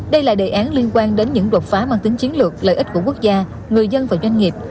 đây là đề án liên quan đến những đột phá mang tính chiến lược lợi ích của quốc gia người dân và doanh nghiệp